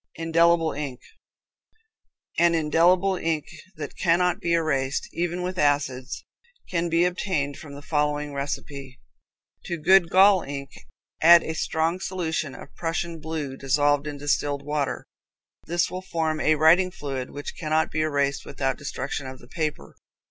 Indelible Ink. An indelible ink that cannot be erased, even with acids, can be obtained from the following recipe: To good gall ink add a strong solution of Prussian blue dissolved in distilled water. This will form a writing fluid which cannot be erased without destruction of the paper.